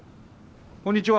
こんにちは。